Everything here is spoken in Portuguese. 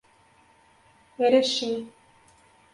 Erechim